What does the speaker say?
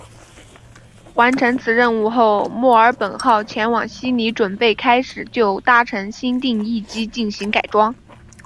完成此任务后墨尔本号前往悉尼准备开始就搭载新定翼机进行改装。